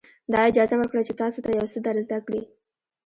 دا اجازه ورکړئ چې تاسو ته یو څه در زده کړي.